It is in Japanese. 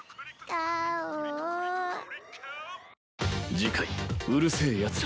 次回『うる星やつら』